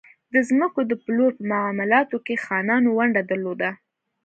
د ځمکو د پلور په معاملاتو کې خانانو ونډه درلوده.